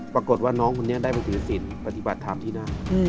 ปรากฏว่าน้องคนนี้ได้ไปถือศิลปฏิบัติธรรมที่นั่น